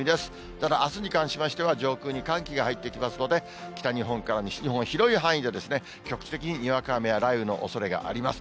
ただあすに関しましては上空に寒気が入ってきますので、北日本から西日本、広い範囲で局地的ににわか雨や雷雨のおそれがあります。